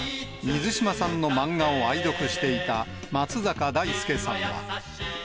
水島さんの漫画を愛読していた松坂大輔さんは。